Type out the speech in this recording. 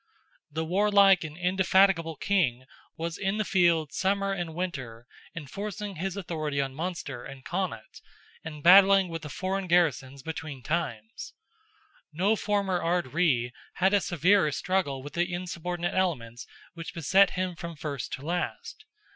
The warlike and indefatigable king was in the field summer and winter enforcing his authority on Munster and Connaught, and battling with the foreign garrisons between times. No former Ard Righ had a severer struggle with the insubordinate elements which beset him from first to last.